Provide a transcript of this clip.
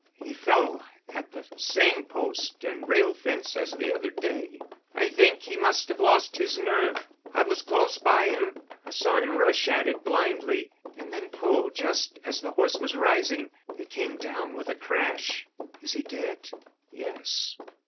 He fell at the same post and rail fence as the other day. I think he must have lost his nerve. I was close by him, I saw him rush at it blindly, and then pull just as the horse was rising. They came down with a crash." "Is he dead?" "Yes."